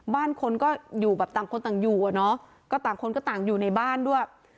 บ้านคนก็อยู่แบบต่างคนต่างอยู่อ่ะเนาะก็ต่างคนก็ต่างอยู่ในบ้านด้วย